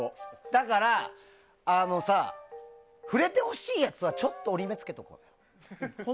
だから、触れてほしいやつはちょっと折り目つけとこ。